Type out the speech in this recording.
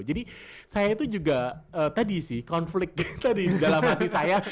jadi saya itu juga tadi sih konflik tadi dalam hati saya